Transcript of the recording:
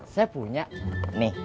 saya punya nih